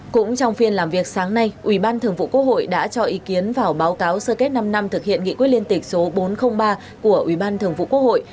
cũng trong phiên làm việc sáng nay ủy ban thường vụ quốc hội đã cho ý kiến vào báo cáo sơ kết năm năm thực hiện nghị quyết liên tịch số bốn trăm linh ba của ủy ban thường vụ quốc hội